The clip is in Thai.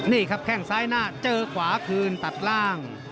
นี่ครับแข้งซ้ายหน้าเจอขวาคืนตัดล่าง